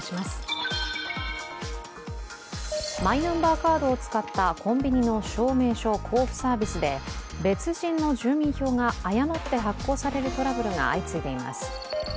マイナンバーカードを使ったコンビニの証明書交付サービスで、別人の住民票が誤って発行されるトラブルが相次いでいます。